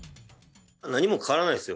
何も変わらないですよ。